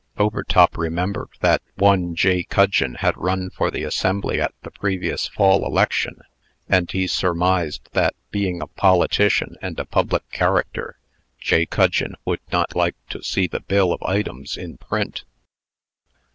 Overtop remembered that one J. Cudgeon had run for the Assembly at the previous fall election, and he surmised that, being a politician and a public character, J. Cudgeon would not like to see the bill of items in print.